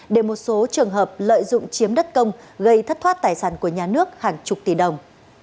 để một số trường hợp lợi dụng chiếm đất công gây thất thoát tài sản của nhà nước hàng chục tỷ đồng